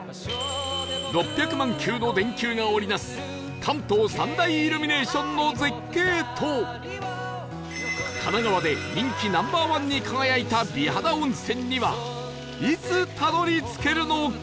６００万球の電球が織り成す関東三大イルミネーションの絶景と神奈川で人気ナンバーワンに輝いた美肌温泉にはいつたどり着けるのか？